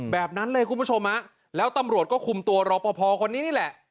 แบบนั้นเลยคุณผู้ชมฮะแล้วตำรวจก็คุมตัวรอปภคนนี้นี่แหละ